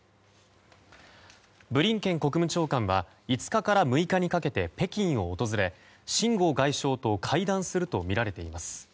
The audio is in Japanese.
ブリンケン国務長官は５日から６日にかけて北京を訪れシン・ゴウ外相と会談するとみられています。